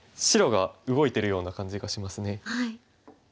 白が動いてるような感じがしますね。